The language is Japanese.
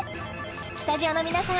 スタジオの皆さん